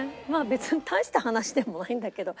別に大した話でもないんだけど。